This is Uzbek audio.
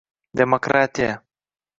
— Demokratiya!